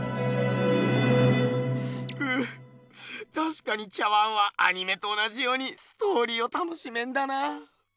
ううたしかに茶碗はアニメと同じようにストーリーを楽しめんだな。